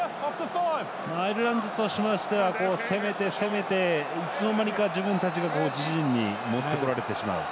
アイルランドとしましては攻めて、攻めていつの間にか、自分たちの陣に持ってこられてしまうと。